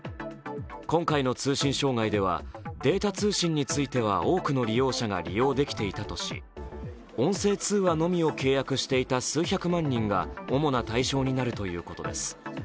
今回の通信障害ではデータ通信については多くの利用者が利用できていたとし音声通話のみを契約していた数百万人が主な対象になるということです。